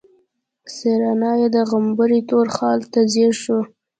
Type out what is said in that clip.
سېرېنا يې د غومبري تور خال ته ځير شوه.